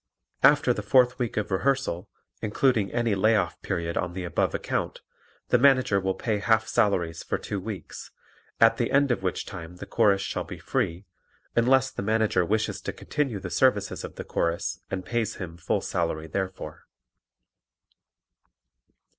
After the fourth week of rehearsal, including any lay off period on the above account, the Manager will pay half salaries for two weeks, at the end of which time the Chorus shall be free, unless the Manager wishes to continue the services of the Chorus and pays him full salary therefor.